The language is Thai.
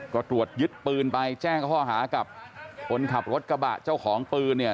ก็ตรวจยึดปืนไปแจ้งข้อหากับคนขับรถกระบะเจ้าของปืนเนี่ย